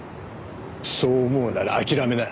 そう思うなら諦めな。